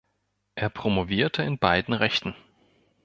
Er promovierte in beiden Rechten.